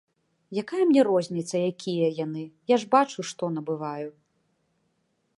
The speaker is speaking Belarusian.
Якая мне розніца, якія яны, я ж бачу, што набываю.